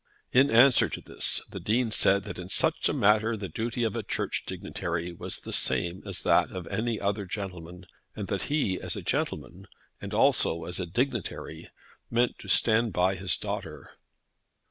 In answer to this, the Dean said that in such a matter the duty of a Church dignitary was the same as that of any other gentleman, and that he, as a gentleman, and also as a dignitary, meant to stand by his daughter.